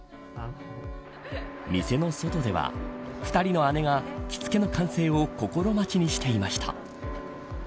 店の外では、２人の姉が着付けの完成を心待ちにしていました。